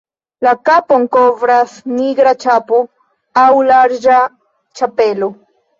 La kapon kovras nigra ĉapo aŭ larĝa ĉapelo.